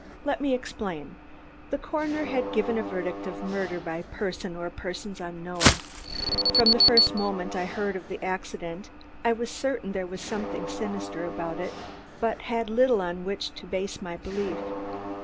Let me explain! The coroner had given a verdict of murder by person or persons unknown. From the first moment I heard of the accident I was certain there was something sinister about it, but had little on which to base my belief.